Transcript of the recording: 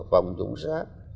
phòng chống sars